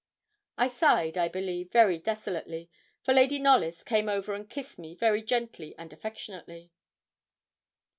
I sighed, I believe, very desolately, for Lady Knollys came over and kissed me very gently and affectionately.